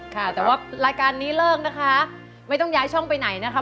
ค่ะแต่ว่ารายการนี้เลิกนะคะไม่ต้องย้ายช่องไปไหนนะคะ